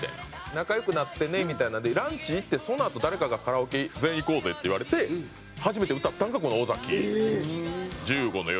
仲良くなってねみたいなんでランチ行ってそのあと誰かが「カラオケ全員行こうぜ」って言われて初めて歌ったんがこの尾崎『１５の夜』。